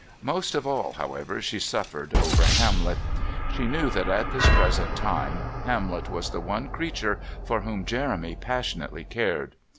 Most of all, however, she suffered over Hamlet. She knew that at this present time Hamlet was the one creature for whom Jeremy passionately cared.